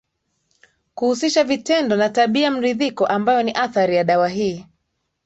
kuhusisha vitendo na tabiamridhiko ambayo ni athari ya dawa hii